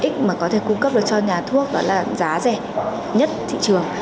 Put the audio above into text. lợi ích mà có thể cung cấp được cho nhà thuốc đó là giá rẻ nhất thị trường